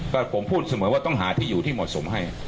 ก็ผมพูดเสมอว่าต้องหาที่อยู่ที่เหมาะสมให้